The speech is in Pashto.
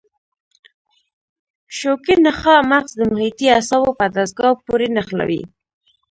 شوکي نخاع مغز د محیطي اعصابو په دستګاه پورې نښلوي.